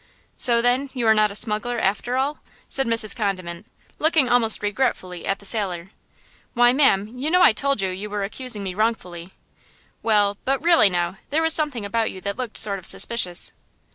"So, then, you are not a smuggler, after all!" said Mrs. Condiment, looking almost regretfully at the sailor. "Why, ma'am, you know I told you you were accusing me wrongfully." "Well, but really, now, there was something about you that looked sort of suspicious."